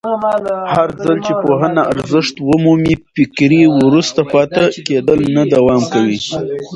هرځل چې پوهنه ارزښت ومومي، فکري وروسته پاتې کېدل نه دوام کوي.